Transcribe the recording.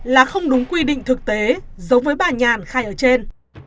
là không đúng quy định thực tế giống với bà nhàn khai ở trên